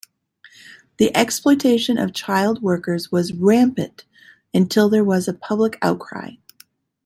The exploitation of child workers was rampant until there was a public outcry.